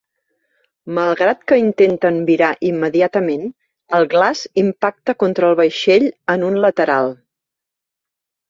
Malgrat que intenten virar immediatament, el glaç impacta contra el vaixell en un lateral.